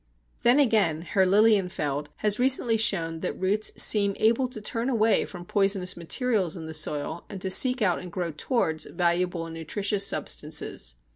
Then again, Herr Lilienfeld has recently shown that roots seem able to turn away from poisonous materials in the soil and to seek out and grow towards valuable and nutritious substances.